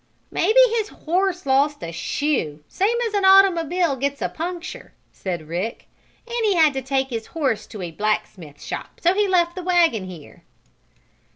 "Maybe his horse lost a shoe, same as an automobile gets a puncture," said Rick, "and he had to take his horse to a blacksmith shop. So he left the wagon here."